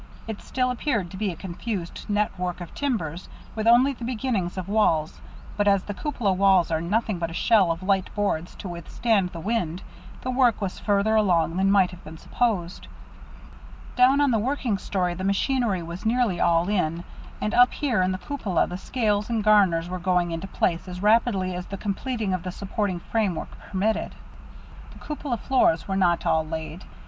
It still appeared to be a confused network of timbers, with only the beginnings of walls, but as the cupola walls are nothing but a shell of light boards to withstand the wind, the work was further along than might have been supposed. Down on the working story the machinery was nearly all in, and up here in the cupola the scales and garners were going into place as rapidly as the completing of the supporting framework permitted. The cupola floors were not all laid.